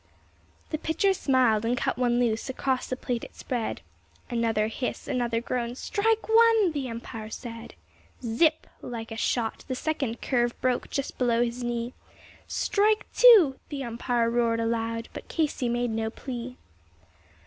The pitcher smiled and cut one loose; across the plate it spread; Another hiss, another groan "Strike one!" the umpire said. Zip! Like a shot, the second curve broke just below his knee "Strike two!" the umpire roared aloud; but Casey made no plea.